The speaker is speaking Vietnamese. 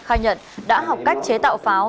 khai nhận đã học cách chế tạo pháo